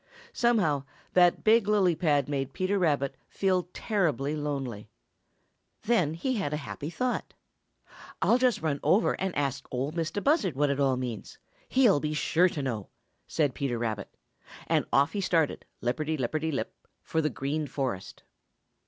Somehow that big lily pad made Peter Rabbit feel terribly lonely. Then he had a happy thought. "I'll just run over and ask Ol' Mistah Buzzard what it all means; he'll be sure to know," said Peter Rabbit, and off he started, lipperty lipperty lip, for the Green Forest.